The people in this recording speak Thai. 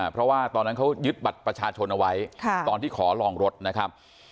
เพราะว่าตอนนั้นเขายึดบัตรประชาชนเอาไว้ตอนที่ขอลองรถนะครับ